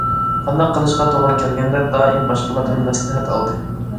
قانداق قىلىشقا توغرا كەلگەندە، دائىم باشقىلاردىن مەسلىھەت ئالدى.